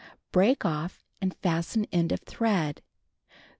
Break off and fasten end of thread.